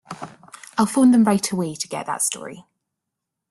I'll phone them right away to get that story.